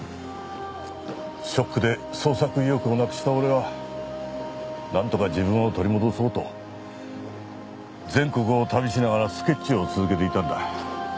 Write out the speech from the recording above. ショックで創作意欲をなくした俺はなんとか自分を取り戻そうと全国を旅しながらスケッチを続けていたんだ。